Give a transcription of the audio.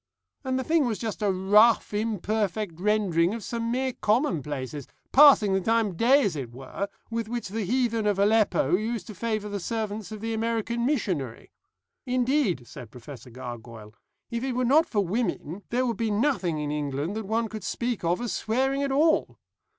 And the thing was just a rough imperfect rendering of some mere commonplaces, passing the time of day as it were, with which the heathen of Aleppo used to favour the servants of the American missionary. Indeed," said Professor Gargoyle, "if it were not for women there would be nothing in England that one could speak of as swearing at all."